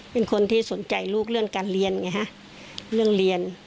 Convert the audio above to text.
เป็นคนที่สนใจลูกเรื่องการเรียนไงฮะเรื่องเรียน